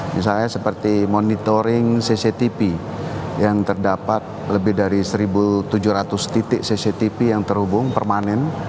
misalnya seperti monitoring cctv yang terdapat lebih dari satu tujuh ratus titik cctv yang terhubung permanen